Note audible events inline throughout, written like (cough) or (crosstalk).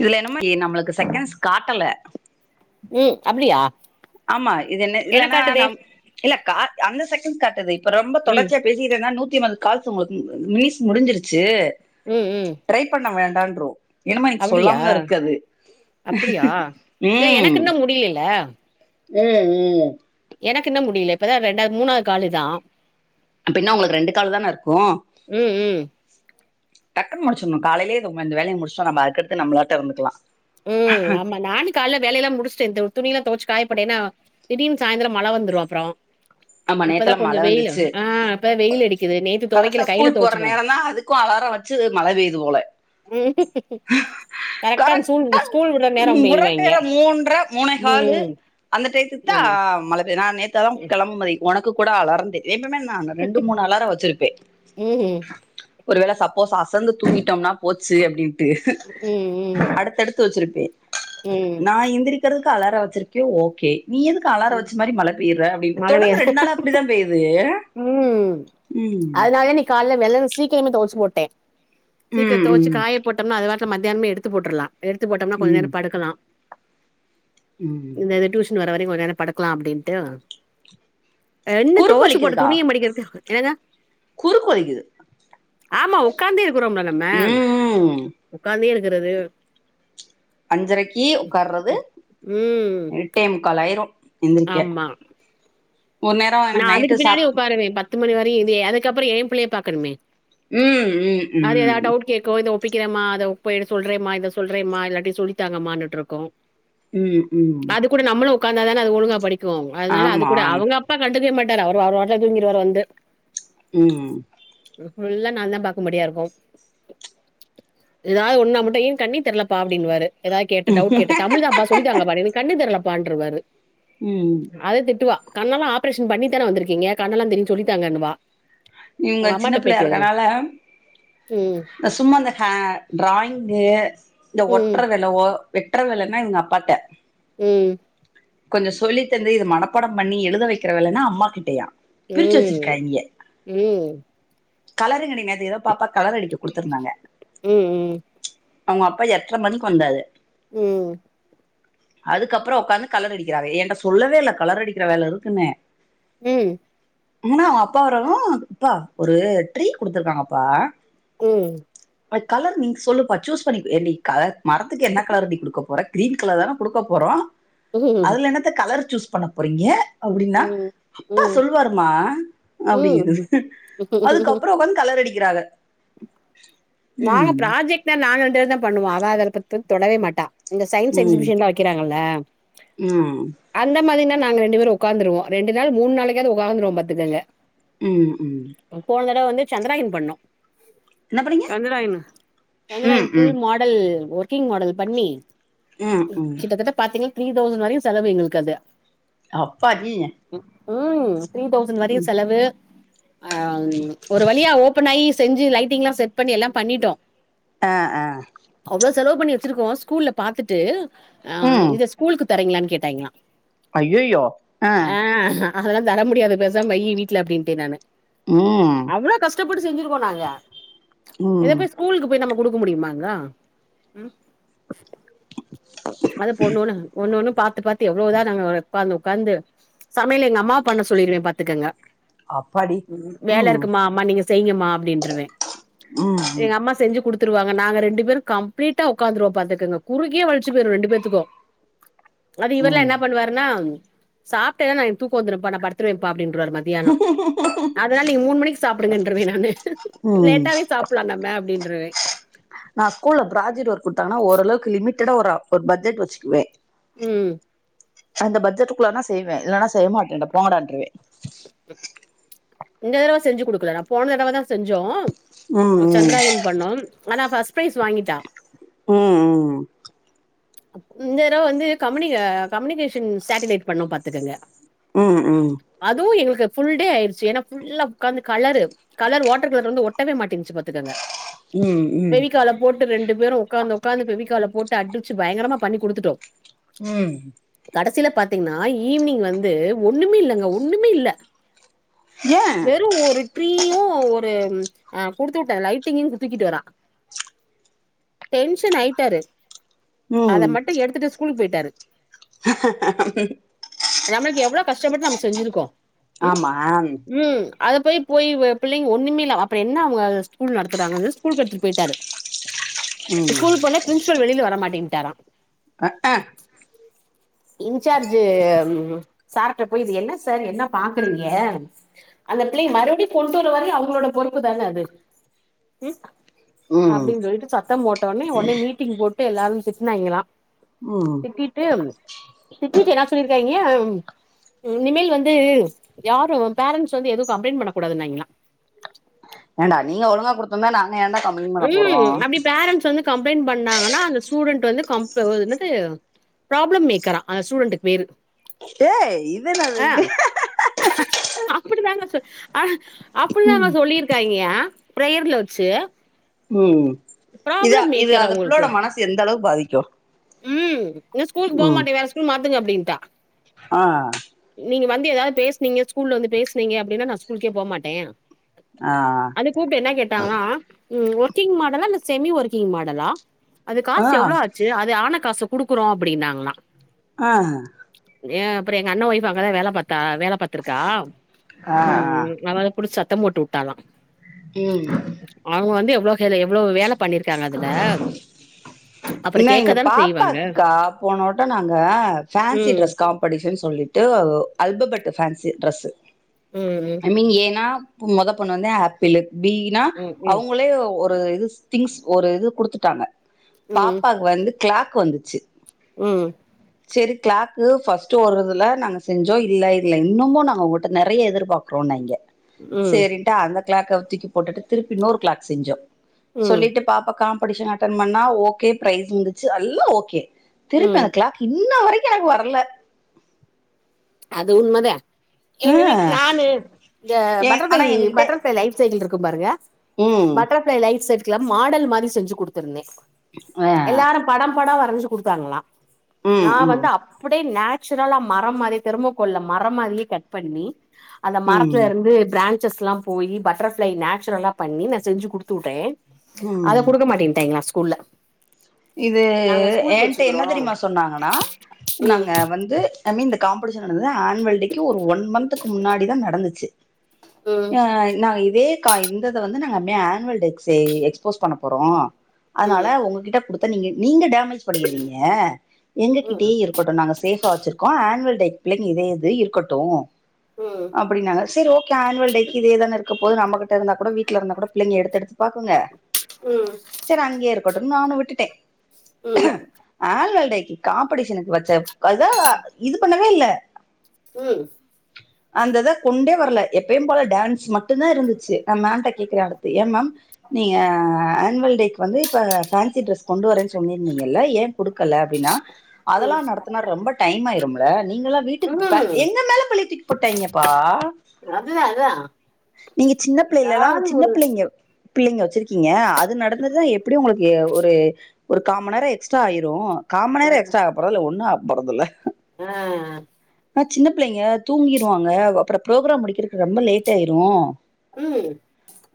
இதுல என்னமாயி நம்மளுக்கு செகண்ட்ஸ் காட்டல ம் அப்டியா ஆமா இது என்ன என இல்லன்னா காட்டுதே நம் இல்ல காட் அந்த செகண்ட் காட்டுது இப்ப ரொம்ப ம் தொடர்ச்சியா பெசிறன்னா நூத்தி ஐம்பது கால்சு உங்களுக்கு மினிஸ் முடிஞ்சிருச்சு ம் ம் ட்ரை பண்ண வேண்டான்றுவோ என்னம இது அப்டியா சொல்லாமலா இருக்காது ம் முடியல ம் ம் எனக்கு இன்னு முடில இப்பதா ரெண்டாது மூணாது கால் இதா அப்ப இன்னு உங்ளுக்கு ரெண்டு கால் தான இருக்கு ம் ம் டக்குன் முடுச்சுர்னு காலைலே இந்த அந்த வேலைய முடுச்டா நம்ம அதுக்கடுத்து நம்ளாட்ட இருந்துக்கலா ம் ஆமா நானு கால்ல வேலைலா முடுச்ட்டே தொ துணில்லா தொவச்சு காயப்போட்டெ என்னா திடீன் சாய்ந்தரொ மழ வந்துரு அப்றோ ஆமா இப்பதா நேத்துல கொஞ்ச மழ வெயிலு ஆ இப்பதா வெயில் அடிக்குது நே கரெட்டா ஸ்கூல் போற நேரந்தா அதுக்கு அலார வச்சு மழ பெய்து போல ம் கரெக்டா சூ ம் உட்ற டைட மூன்ற மூனே காலு ம் அந்த டைத்துக்தா ஆமா அ மழ பே நா நேத் அதா கெளம்புமதி ஒனக்கு கூட அலாரந்தே எப்பமே நாங்க ரெண்டு மூணு அலார வச்சுரு ப்பே ம் ஒருவேள சப்போஸ் அசந்து தூக்கிட்டோம்னா போச்சு அப்டின் ட்டு ம் ம் அடுத்தடுத்து வச்சிருப்பே ம் நா எந்திரி க்கறதுக்கு அலார வச்சிருக்கே ஓகே நீ எது க்கு அலார வச்ச மாரி மழ பெய்ற அப்டின்டு மழ தொடர்ந்து பெய்ற ரெண்‌நாளா அப்டிதா பெயுது ம் அதுனாலதா இன்னிக் கால்ல வெள்ளன சீக்கிரமே தொவச்சு போட்டே சீக்கிர ம் தொவச்சு ம் காய போட்டம்னா அது பாட்ல மத்தக்ஷயானமே எடுத்து போட்ருலா எடுத்து போட்டம்னா கொஞ்ச நேர ம் படுக்கலா ம் இந்தது டியூஷன் வர வரயு கொஞ் நேர படுக்லா அப்டின்ட்டு என்ன குறுக்கு தொவச்சு போட்டு வலிக்குதுக்கா துணிய மடிக்கிறக்கு என்னங்க குறுக்கு வலிக்குது ஆமா ஒக்காந்தே இருக்குறோம்ல நம்ம ம் உக்காந்தே இருக்குறது அஞ்சரக்கி உக்கார்றது ம் எட்டே முக்கால் ஆயிரு எந்திரிக்க ஆமா ஒரு நேரோ நா எனக்கு அதுக்கு நைட்டு பின்னாடி சாப் உக்காருவே பத்து மணி வரையு‌ இதே அதுக்கப்றோ ஏம் புள்ளய பாக்கனுமே ம் ம் அது எதா ம் டவுட் கேக்கு இத ஒ ப்பிக்கிறேமா அத போயிடு சொல்றேமா இத சொல்றேமா இல்லாட்டி சொல்லித்தாங்கம்மான்னுட்ருக்கு ம் ம் கூட நம்மளு உக்காந்தா தானே அது ஒழுங்கா படிக்கு அதுனால அது ஆமா கூட அவுங்க அ ப்பா கண்டுக்கவே மாட்டாரு அவரு அவரு வாட்ல தூங்கிருவாரு வந்து ம் இது ஃபுல்லா நாந்தா பாக்கும்படியா இருக்கு எதாது ஒன்னா மட்டு ஏ கண்ணே தெர்லப்பா அப்டின்னுவாரு எதா கேட்டா டவுட் கேட்டா தமிழ் தாம்ப்பா சொல்லித்தாங்கப்பா எனக் கண்ணு தெர்லப்பான்ருவாரு ம் அதே திட்டுவா கண்ணல்லா ஆப்ரேஷன் பண்ணித்தான வந்துருக்கீங்க கண்ணெல்லா தெரியு சொல்லித்தாங்கன்னுவா இவுங்க "உங்க சின்ன அம்மாட்ட போய் பிள்ளையா கேளு." இருக்கனால ம். ந சும்மா இந்த ஹ டிராயிங்கு இந்த ம். ஒட்றதெ ன்னவோ வெட்ற வேலன்னா இவுங்க அப்பாட்ட ம் கொஞ்சொ சொல்லி தந்து இது மனப்பாடம் பண்ணி எழுத வைக்கிற வேலன்னா அம்மா கிட்டயா பிரிச்சு ம் வச்சிருக்காய்ங்க ம் கலருங்கனி நேத்து எதோ பாப்பாக் கலர் அடிக்க குடுத்துருந்தாங்க ம். ம். அவுங்க அப்பா எட்ர மணிக்கு வந்தாரு உம் அதுக்கப்பறோ ஒக்காந்து கலர் அடிக்குறாரு என்ட்ட சொல்லவே இல்ல கலர் அடிக்குற வேல இருக்குன்னே உம் இவனு அவ அப்பா வரவு அப்பா ஒரு ட்ரீ குடுத்துருக்காங்கப்பா உம் கலர் நீங்க சொல்லுப்ப சூஸ் பண்ணி நீ ஏன்டி மரத்துக்கு என்ன கலர்டி நீ குடுக்க போற கிரீன் கலர் தான குடுக்க போறோ ம். அதுல என்னத்த கலர் சூஸ் பண்ண போறீங்க அப்டின்னா ம். அப்பா சொல்லுவாருமா அப்டிங்குது ம். ம். அதுக்கப்றோ ஒக்காந்து கலர் அடிக்குறாக நாங்க ப்ராஜெக்ட்ல நானு ரெண்டு பேருதா பண்ணுவோ அவ அத பத்த தொடவே மாட்டா இந்த சயின்ஸ் ம் எக்ஸிபிஷன்லா வக்குறாங்கல்ல ம் அந்த மாதிரினா நாங்க ரெண்டு பேரு ஒக்காந்துருவோ ரெண்டு நாள் மூனு நாளைக்காவது ஒக்காந்துருவோ பாத்துக்கோங்க ம் ம் போன தடவ வந்து சந்ராயன் பண்ணோ என்ன பண்ணீங்க சந்ராயனு ம் சந்ராயன் ஃபுல் ம் மா ல ஒர்க்கிங் மாடல் பண்ணி ம் ம் கிட்டத்தட்ட பாத்தீங்னா த்ரீ தௌசண்ட் வரையு செலவு எங்களுக்கு அது அப்பாடி உம் த்ரீ தௌசண்ட் வரையு செலவு ஆ ஒரு வழியா ஓபன் ஆகி செஞ்சு லைட்டிங் எல்லா செட் பண்ணி எல்லா பண்ணிட்டோ ஆ ஆ அவ்வளவு செலவு பண்ணி வச்சிருக்கோ ஸ்கூல்ல பாத்துட்டு ஆ ம் இந்த ஸ்கூலுக்கு தரீங்களானு கேட்டாங்களா அய்யயோ ஆ அதெல்லா தர முடியாது பேசாமா வய்யி வீட்ல அப்டின்டே நானு உம் எவ்ளோ கஷ்டபட்டு செச்சுருக்கோ நாங்க இத ம் போய் ஸ்கூலுக்கு போய் நம்ம குடுக்க முடியுமாங்க உம் அத பொண்ணுன்னு ஒன்னு ஒன்னு பாத்து பாத்து எவ்ளோ இதா நாங்க வளத் ஒக்காந்து ஒக்காந்து சமையல எங்க அம்மாவ பண்ண சொல்லிருவே பாத்துக்கங்க அப்பாடி ம் வேல இருக்குமா அம்மா நீங்க செய்ங்கமா அப்டின்ருவே ம் எங்க அம்மா செஞ்சு குடுத் த்துருவாங்க நாங்க ரெண்டு பேரு கம்ளீட்டா ஒக்காந்துருவோ பாத்துக்கங்க குறுக்கே வலிச்சு போய்ரு ரெண்டு பேத்துக்கு அது இவரெல்லா ம் என்னா பண்ணுவாருன்னா சாப்ட்டேனா எனக்கு தூக்க வந்துருப்பா நா படுத்துவேப்பா அப்டின்ருவாரு மதியானோ (unintelligible) அதனால நீங்க மூனு மணிக்கு சாப்டுங்கன்றுவே நானு ம் ம் லேட்டாவே சாப்ட்லா நம்ம அப்டின்றுவே நா ஸ்கூல்ல பிராஜக்ட் ஒர்க் குடுத்தாங்கன்னா ஓரளவு லிமிட்டடா ஒரு பட்ஜெட் வச்சுக்குவே உம் அந்த பட்ஜெட்டுக்குள்ளனா செய்வே இல்லன்னா செய்ய மாட்டே போங்கடான்ருவே (inaudible) இந்த தடவ செஞ்சு குடுக்கல நா போன தடவ தா செஞ்சோ ம் சந்ராயன் பண்ணோ ஆனா ஃபஸ்ட் பிரைஸ் வாங்கிட்டா உம் உம் இந்த தடவ வந்து கம்யூன கம்யூனிகேஷன் சேட்டிலட் பண்ணோ பாத்துக்கங்க உம் உம் அதுவு எங்களுக்கு அது ஃபுல் டே ஆயிடுச்சு ஏன்னா ஃபுல்லா உக்காந்து கலரு கலர் வாட்டர் கலர்ல வந்து ஒட்டவே மாட்டி இச்சு பாத்துக்கோங்க ம் ம் ம் பெவிக்களா போட்டு ரெண்டு பேரும் உகாந்து உக்காந்து பெவிக்களா போட்டு அடிச்சு பயங்கரமா பண்ணி குடுத்துட்டோ ம் கடைசில பாத்தீங்கன்னா ஈவினிங் வந்து ஒண்ணுமே இல்லங்க ஒண்ணுமே இல்ல ஏ வெறும் ஒரு ட்ரீயும் ஒரு அ குடுத்து வுட்டே லைட்டிங்கும் தூக்கிட்டு வரா டென்ஷன் ஆயிட்டாரு அத ம் மட்டும் எடுத்துட்டு ஸ்கூலுக்கு போயிட்டாரு நம்மளுக்கு எவ்ளோ கஷ்டப்பட்டு நம்ம செஞ்சிருக்கோ ஆமாம் ம் அதப்போயி போயி புள்ளைங் ஒண்ணுமே இல்ல அப்பறோ என்ன அவங்க ஸ்கூல் நடத்துறாங்கன்னு ஸ்கூலுகு எடுத்துட்டு போயிட்டாரு ம் ஸ்கூலுக் போன பிரின்சிபல் வெளில வரமாட்டேன்டாரா அஹ இன்சார்ஜ் சார்ட்ட போயி இது என்ன சார் என்ன பாக்குறீங்க அந்த பிள்ளைங் மறுபடியும் கொண்டு வர வரைக்கும் அவங்களோட பொறுப்பு தான அது ம் ம் அப்டின் சொல்லிட்டு சத்தம் போட்டவுன்னே ஒனே மீட்டிங் போட்டு எல்லாரு திட்டினாங்ளா ம் திட்டிட்டும் திட்டிட்டு என்னா சொல்லிருக்காங்க இனிமேல் வந்து யாரும் பேரண்டஸ் வந்து எதுவும் கம்ளைண்ட் பண்ணக்கூடாதுங்களா ஏன்டா நீங்க ஒழுங்கா குடுத்துந்தா நாங்க ஏன்டா கம்ப் உம் அப்டி பேரண்ட்ஸ் வந்து கம்ப்ளைண்ட் பண்ணாங்கன்னா அந்த ஸ்டூடெண்ட் வந்து கம்ப் என்னது ப்ராப்ளம் மேக்கரா அந்த ஸ்டூடெண்டுக்கு பேரு ஏய் இது நல்லாருக்கு அப்டிதாங்க சொ அஹ அப்டிதாங்க ம் சொல்லியிருக்காங்க பிரேயர்ல வெச்சு உம் இதா இது மேக்கரா அது புள்ளோட மனசு எந்த அளவுக்கு பாதிக்கு உம் இன்னு ஸ்கூலுக்கு போ ம் மாட்டே வேற ஸ்கூல் மாத்துங்க அப்டின்டா ஆ நீங்க வந்து எதாவது பேசனீங்க ஸ்கூல்ல வந்து பேசனீங்க அப்டின்னா நா ஸ்கூலுக்கே போமாட்டே ஆ அதுக்கு கூப்டு என்னா கேட்டாங்ளா ம் ஒர்க்கிங் மாடலா இல்ல செமி ஒர்கிங் மாடலா அதுக் ஆ காசு எவ்ளோ ஆச்சு அ து ஆன காசு குடுக்குறோ அப்டின்னாங்களா ஆ ஏ அப்பறோ எங்க அண்ண ஒய்ஃப் அங்கதான் வேல பாத்தா வேல பாத்திருக்கா ஆ ஆ உம் அவ அத புடுச்சு சத்தம் போட்டு வுட்டாலா உம் அவங்க வந்து எவ்ளோ ஏல எவ்ளோ வேல பண்ணிருக்காங்க அதுல அப்புறோ என்ன எங்க கேக்கதான செய்வாங்க பாப்பாக்குக்கா போனோட்ட நாங்க ஃபேன்சி ம் ட்ரெஸ் கா காம்படிஷன் சொல்லிட்டு அல்பபெட் பேன்சி ட்ரெஸ்சு ம் ஐ மீன் ஏன்னா மொத பொண்ணு வந்து ஆப்பிளு பீனா ம் ம் அவங்களே ஒ ரு திங்ஸ் ஒரு இது குடுத்துட்டாங்க ம் ம் பாப்பா வந்து கிளாக் வந்துச்சு ம் செரி கிளாக்கு ஃபர்ஸ்ட்டு ஒரு இதுல நாங்க செஞ்சோ இல்ல இல்ல இன்னமு நாங்க உங்கள்ட்ட நெறைய எதிர்பாக்குறோம் நாங்க ம் சேரின்ட்டு அந்த கிளாக்க தூக்கி போட்டுட்டு திருப்பி இன்னோரு கிளாக் செஞ்சோ ம் சொல்லிட்டு பாப்பா காம்பெடிஷன் அட்டென் பண்ணா ஓகே பிரைஸ் வந்துச்சு எல்லா ஓகே திருப்பி ம் அந்த கிளாக் இன்ன வரைக்கு எனக்கு வரல அது உண்மதே எங்க ம் வீட் நானு இந்த எ பட்ரஃப்ளை ஆனா எங்ககிட்ட பட்ரஃப்ளை லைட் சைட்ல இருக்கு பாருங்க ம் பட்டர்ஃப்ளை லைட் (unintelligible) மாடல் மாரி செஞ்சு குடுத்துருந்தே ஆ எல்லாரு படொ படொ வரஞ்சு குடுத்தாங்களா நா ம் ம் வந்து அ அப்டே நேச்சுரலா மரம் மாரி தெர்மாகோள்ள மரம் மாரியே கட் பண்ணி அந்த ம் மரத்துலருந்து பிரான்ச்சஸ்லா போயி பட்டர்ஃப்ளை நேச்சுரலா பண்ணி நா செஞ்சு குடுத்து வுட்டே அத ம் குடுக்க மாட்டேன்ட்டாங்கெளா ஸ்கூல்ல இது நாங்க ஸ்கூலுக்கு என்ட்ட என்ன வச்சுக்குறோ தெரியுமா சொன்னாங்கன்னா ம் நாங்க வந்து ஐ மீன் இந்த காம்பெடிஷன் நடந்தது ஆன்வல் டேக்கு ஒரு ஒன் மந்த்துக்கு முன்னாடிதா நடந்துச்சு ம் அ நா இதே கா இந்தத வந்து நாங்க அப்டியே ஆன்வல் டேக்கு எக்ஸ்போஸ் பண்ண போறோ அதுனால ம் உங்ககிட்ட த்தா நீங்க நீங்க டேமேஜ் பண்ணிருவீங்க ம் எங்ககிட்டயே இருக் கட்டு நாங்க சேஃபா வச்சுருக்கோ ஆன்வல் டேக் பிள்ளைங்க இதே இது இருக்கட்டு ம் ம் அப்புடின்னாங்க செரி ஓகே ஆன்வல் டேக்கு இதே தானே இருக்க போது நம்ம கிட்ட இருந்தா கூட வீட்ல இருந்தா கூட பிள்ளெங்கெ எடுத்தெடுத்து பாக்குங்க ம் சேரி அங்கே இருக்கட்டுன் நானு விட்டுட்டே ம் ஆன்வல் டேக்கு காம்பெடிஷனுக்கு வச்ச அத இது பண்ணவே இல்ல ம் அந்த இத கொண்டே வரல எப்பயு போல டான்ஸ் ம மட்டுந்தா இருந்துச்சு நா மேம்ட்ட கேக்குறே அடுத்து ஏ மேம் நீங்க ஆன்வல் டேக் கு வந்து இப்ப ஃபேன்சி ட்ரெஸ் கொண்டு வரேன்னு சொல்லிர்ந்தீங்கல்ல ஏ குடுக்கல அப்டின்னா அதெல்லா நடத்துனா ரொம்ப டைம் ஆயிரும்ல நீங்கல்லா வீட்டுக்கு ம் ப ம் எங்க மேல பலிய தூக்கி போட்டாங்கெப்பா அதுதா அதா நீங்க சின்ன பிள்ளைலதா ஏதாவது சின்ன ஒரு பிள்ளைங்க பிள்ளெங்க வச்சுருக்கீங்க அது நடந்தது எப்டி ஒங்களுக்கு ஒரு ஒரு காம்மண் நேரொ எக்ஸ்ட்ரா ஆயிரு காம்மண் அ நேரொண எக்ஸ்ட்ரா ஆகப்போறதுல ஒன்னு ஆகப்போறதுல்ல அ ஆ சின்ன பிள்ளைங்க தூங்கிருவாங்க அப்பறொ ப்ரோக்ராம் முடிக்கிறக்கு ரொம்ப லேட் ஆயிரு ம்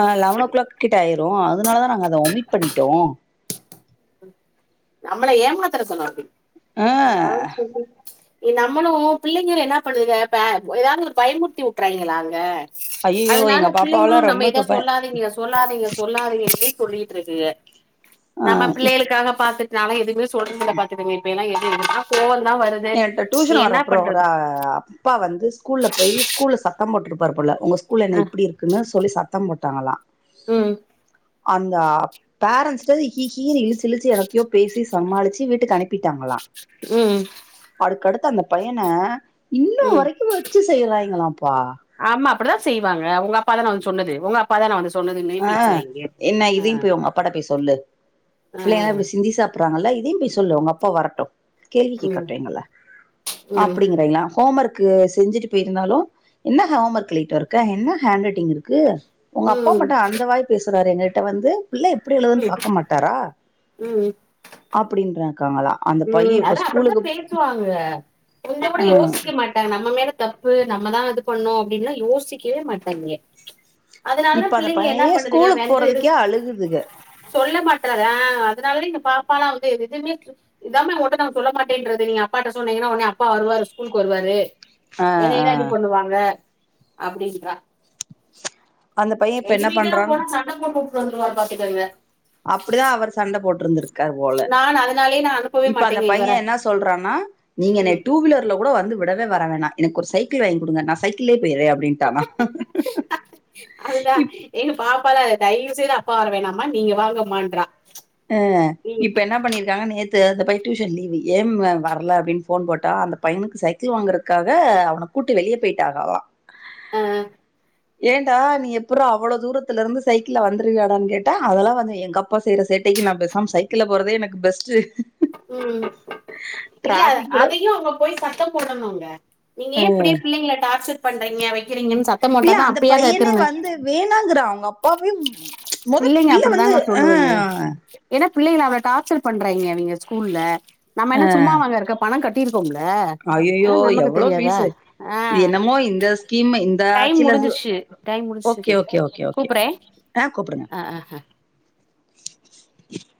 அ லெவன் ஓ கிளாக் கிட்ட ஆயிரு அதுனாலதா நாங்க அத ஒமிட் பண்ணிட்டோ நம்மள ஏமாத்தறதான அப்டி ஆ ஏதாது சொல்லி எ நம்மளு பிள்ளைங்களு என்னா பண்ணுதுக பே ஏதாவது ஒரு பயமுர்த்தி வுட்றாங்கெளா அங்க ஐயயோ எங்க அதுனால பிள்ளைங்களு பாப்பாவெல்லா நம்ம ரொம்ப எதா இப்ப ப சொல்லாதீங்க சொல்லாதீங்க சொல்லாதீங்கனு சொல்லிட்டு இருக்குக ஆ நம்ம இப் பிள்ளைகளுக்காக பாத்துட் நாலா எதுவுமே சொல்றதுல்ல பாத்துக்கங்க இப்பயெல்லா (inaudible) ஆனா கோவந் தா வருது ஏன்ட்ட நீ டூஷன் என்ன வரப்பறொம் ஒர பண்றது அப்பா வந்து ஸ்கூல்ல போயி ஸ்கூல்ல சத்தம் போட்ருப்பாரு போல உங்க ஸ்கூல என்ன அ இப்டி இருக்குன்னு சொல்லி சத்தம் போட் டாங்களா ம் அந்த பேரண்ட்ஸ்ட்டத இஹீஹீனு இழுச்சுஇழுச்சு என்னத்தையோ பேசி சமாளிச்சு வீட்டுக்கு அனுப்பிட்டாங்களா ம் அதுக்கடுத்து அந்த பையன இன்னொ ம் வரைக்கு வச்சு செய்றாய்ங்களாப்பா ஆமா அப்புடிதா செய்வாங்க ஒங்க அப்பா தான வந்து சொன்னது ஒங்க அப் அ என்ன ஆ இதுயு போய் ஒங்கஅப்பாட்ட போய்சொல்லு ஆ பிள்ளைஙக்ல்லா இப்டி சிந்தி சாப்புற்றாங்கல்ல இதுயும்போய் சொல்லு ஒங்க அப்பா வரட்டு கேள்வி ம் ம் கேக்கட்டு எங்கள ம் அப்டிங்க்றாங்கலா ஹோம்ஒர்க் க்கு செஞ்சுட்டு பெயிருந்தாலு என்ன ஹோம்ஒர்க் எழுதிட்டு வந்துருக்க என்ன ஹெண்ட்ரைட்டிங் இருக்கு உங்க அப்பா ம் மட்டு அந்த வாய் பேசுறாரு எங்ககிட்ட வந்து புள்ளய எப்டி எழுதுனு பாக்கமாட்டரா ம் அப்டின்ருக்காங்களா ம் அதா அப்டித்தா பேசுவாங்க கொஞ்ச கூட ம் யோசிக்க மாட் ட்டாங்க நம்ம மேல தப்பு நம்மதா அது பண்ணோ அப்டில்லா யோசிக்கவே மாட்டாய்ங்க அதுனாலதா இப்ப அந்த பிள்ளைங்க என்னா பைய பண்ணதுங்க ஸ்கூலுக்கு வெந்து இரு போறதுக்கே அழுகுதுக சொல்லமாட்றாரு ஆ அதுனால எங்க பாப்பலா வந்து எதுவுமே இதாமே உங்கள்கிட்ட நாங்க சொல்ல மாட்டேன்றது நீங்க அப்பாட்ட சொன்னீங்கன்னா ஒன்னே அப்பா வருவார் ஸ்கூலுக்கு வருவாரு ஆ ஆ என்னயதா இது பண்ணுவாங்க அப்டின்றா அந்த பைய இப்ப எங்க என்ன வீட்டல்லா பண்றான் போனா சண்ட போட்டுவிட்ரு வந்துருவார் பாத்துக்கங்க அப்டிதா அவர் சண்ட போட்டிருந்துருக் கார்போல நான் அதனாலயே நா அனுப்பவே இப்ப அந்த மாட்டேங்க இவர பைய என்ன சொல்றானா நீங்க ம் என்னையா டூ வீலர்ல கூட வந்து வுடவே வர வேணா எனக்கு ஒரு சைக்கிள் வாங்கி குடுங்க நா சைக்கிளே போய்ற்றே அப்டின்டானா அதுதா எங்க பாப்பால தயவு செய்து அப்பா வர வேணா நீங்க வாங்கமான்றா ஆ இப்ப என்னா பண்ணீர்க்காங்க நேத் த்து அந்த பையன் டியூஷன் லீவு ஏ மேம் வர்ல அப்டின்னு ஃபோன் போட்டா அந்த பையனுக்கு சைக்கிள் வாங்கறக்காக அவனுக் கூட்டு வெளியே பெய்ட்டாங்களா ஆ ஏன்டா நீ எப்புற்றா அவ்ளோ தூரத்துல இருந்து சைக்கிள்ல வந்துருவியாடான்னு கேட்டா அதெல்லா எங்கப்பா செய்ற சேட் டைக்கு நா பேசமா சைக்கிள் போறதே எனக்கு பெஸ்ட்டு ம் இல்ல டிராஃபிக் கூட அதையு அங்க போய் சத்தம் போடணுங்க நீங்க ஏ ம் இப்டியே பிள்ளைங்ள டார்ச்சர் பண்றீங்க வக்கிறீங்கன் சத்த போட்டாதா அப்பயா அது திருந்துங் வேணாங்கற அவங்க அப்பாவே மொத பிள்ளைங்க பிள்ள வந்து அப்டிதாங்க ஆ சொல்லுவங்க ஏன்னா பிள்ளைங்கள அவள டார்ச்சர் பண்றாய்ங்க அவிங்கஸ்கூல்ல நம்ம என்ன சும்மா வாங்க இருக்கப் பணோ கட்டிருக்கோம்ல்ல ஆ அய்யய்யோ! நமக்கு எவ்ளோ தெரியாதா ஃபீஸு. ஆ இது என்னமோ இந்த ஸ்கீம் இந்த டைம் ஆட்சில முடிஞ்சிர்ச்சு டைம் ஓகே, முடிச்சுது ஓகே, ஓகே, ஓகே. கூப்புற்றே ஆ கூப்புடுங்க அ அ ஹ